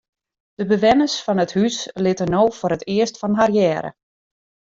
De bewenners fan it hús litte no foar it earst fan har hearre.